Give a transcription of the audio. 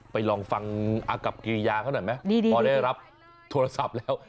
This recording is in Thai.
ไปลองฟังอากับกิริยาเขาหน่อยไหมพอได้รับโทรศัพท์แล้ว